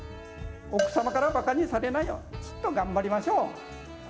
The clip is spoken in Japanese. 奥様からばかにされないようちっと頑張りましょう。